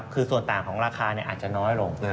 คือส่วนต่างของราคาอาจจะน้อยลง